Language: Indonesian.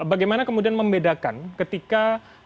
bagaimana kemudian membedakan ketika